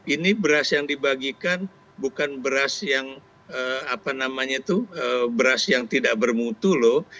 ini beras yang dibagikan bukan beras yang apa namanya itu beras yang tidak bermutu loh